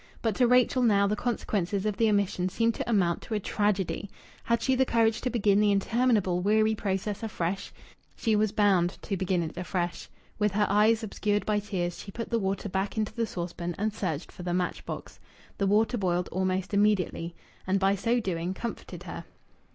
But to Rachel now the consequences of the omission seemed to amount to a tragedy. Had she the courage to begin the interminable weary process afresh? She was bound to begin it afresh. With her eyes obscured by tears, she put the water back into the saucepan and searched for the match box. The water boiled almost immediately, and by so doing comforted her.